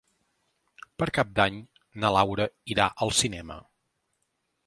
Per Cap d'Any na Laura irà al cinema.